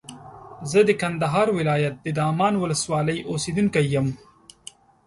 زه د کندهار ولایت د دامان ولسوالۍ اوسېدونکی یم.